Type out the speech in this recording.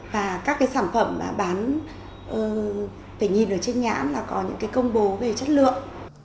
và các cái sản phẩm mà bán phải nhìn ở trên nhãn là có những cái công bố về chất lượng